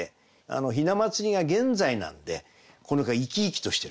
雛祭が現在なんでこの句は生き生きとしてる。